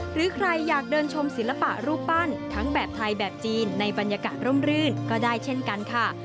หรือใครอยากเดินชมศิลปะรูปปั้นทั้งแบบไทยแบบจีนในบรรยากาศร่มรื่นก็ได้เช่นกันค่ะ